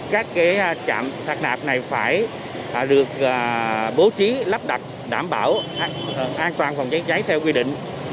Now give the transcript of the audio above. các cái chạm sạc đạp này phải được bố trí lắp đặt đảm bảo an toàn phòng chế cháy theo quy định